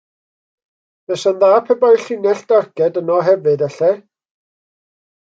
Buasai'n dda pe bai'r llinell darged yno hefyd elle.